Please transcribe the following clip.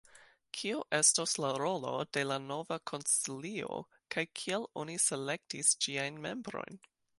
Kiu estos la rolo de la nova konsilio, kaj kiel oni selektis ĝiajn membrojn?